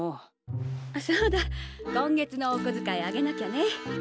そうだ今月のおこづかいあげなきゃね。